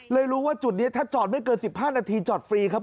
รู้ว่าจุดนี้ถ้าจอดไม่เกิน๑๕นาทีจอดฟรีครับ